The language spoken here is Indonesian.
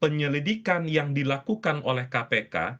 penyelidikan yang dilakukan oleh kpk